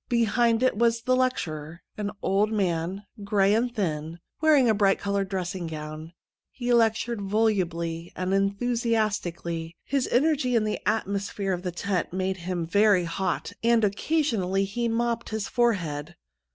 Behind it was the lecturer, an old man, gray and thin, wearing a bright coloured dressing gown. He lectured volubly and enthusiastically; his energy and the atmosphere of the tent made him very hot, and occasionally he mopped his forehead.